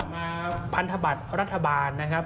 พันธบัตรรัฐบาลนะครับ